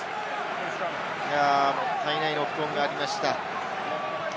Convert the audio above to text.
もったいないノックオンがありました。